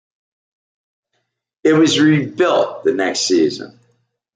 It was rebuilt the next season.